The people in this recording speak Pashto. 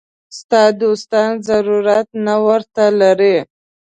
ستا دوستان ضرورت نه ورته لري.